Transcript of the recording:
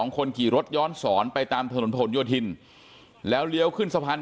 คนขี่รถย้อนสอนไปตามถนนผลโยธินแล้วเลี้ยวขึ้นสะพาน